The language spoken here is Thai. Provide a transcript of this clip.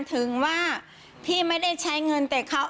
ถึงว่าพี่ไม่ได้ใช้เงินแต่เขา